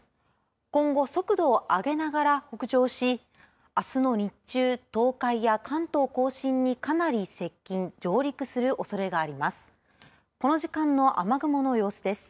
今後、速度を上げながら北上しあすの日中、東海や関東甲信にかなり接近上陸するおそれがあります。